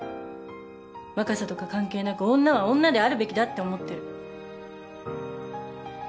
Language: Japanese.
若さとか関係なく女は女であるべきだって思ってる。